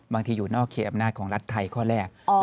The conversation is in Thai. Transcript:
บางทีอยู่นอกเคลียร์อำนาจของรัฐไทยข้อแรก